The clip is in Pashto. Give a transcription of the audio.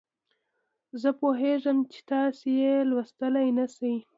زه پوهیږم چې تاسې یې لوستلای نه شئ.